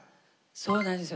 そうなんですよ。